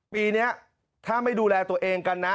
ปีนี้ถ้าไม่ดูแลตัวเองกันนะ